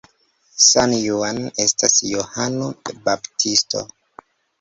San Juan estas Johano Baptisto.